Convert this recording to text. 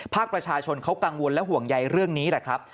ประชาชนเขากังวลและห่วงใยเรื่องนี้แหละครับ